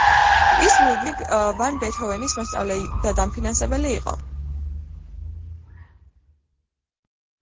ის ლუდვიგ ვან ბეთჰოვენის მოსწავლე და დამფინანსებელი იყო.